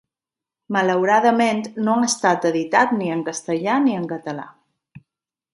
Malauradament no ha estat editat ni en castellà ni en català.